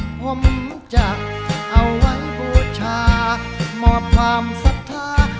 ผมจะเอาไว้บูชามอบความศรัทธา